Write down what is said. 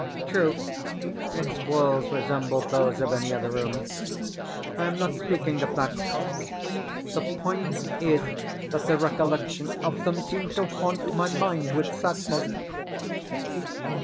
True, its walls resembled those of any other room I am not speaking of that; the point is that the recollection of them seems to haunt my mind with sadness.